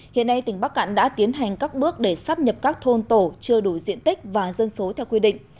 hiện nay tỉnh bắc cạn đã tiến hành các bước để sắp nhập các thôn tổ chưa đủ diện tích và dân số theo quy định